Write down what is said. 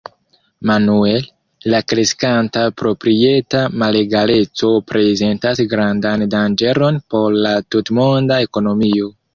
Manuel, la kreskanta proprieta malegaleco prezentas grandan danĝeron por la tutmonda ekonomio.